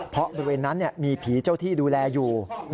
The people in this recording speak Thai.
เพราะบริเวณนั้นมีผีเจ้าที่ดูแลอยู่